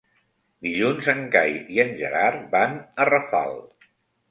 Dilluns en Cai i en Gerard van a Rafal.